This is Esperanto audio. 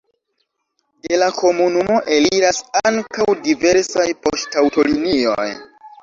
De la komunumo eliras ankaŭ diversaj poŝtaŭtolinioj.